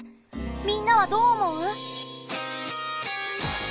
みんなはどう思う？